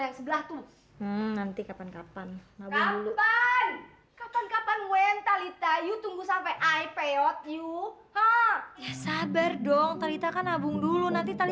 jangan jangan jangan nenek gak setuju jangan